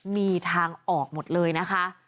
มีทางออกหมดเลยนะคะ